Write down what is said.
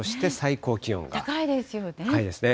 高いですね。